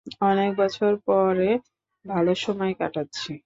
অনেক বছর পরে ভাল সময় কাটাচ্ছি।